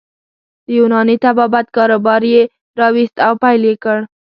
د یوناني طبابت کاروبار يې راویست او پیل یې کړ.